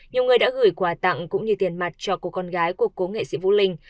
nhiều người đã gửi quà tặng cũng như tiền mặt cho cô con gái của cố nghệ sĩ vũ linh